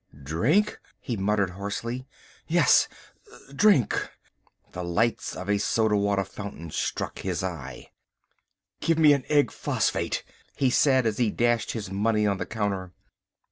"Drink," he muttered hoarsely, "yes, drink." The lights of a soda water fountain struck his eye. "Give me an egg phosphate," he said as he dashed his money on the counter.